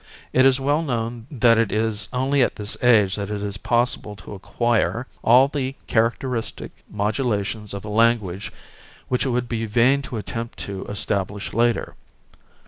It is well known that it is only at this age that it is possible to acquire all the characteristic modulations of a language which it would be vain to attempt to establish later.